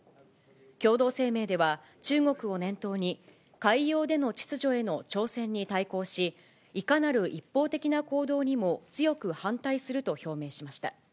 共同声明では、中国を念頭に、海洋での秩序への挑戦に対抗し、いかなる一方的な行動にも強く反対すると表明しました。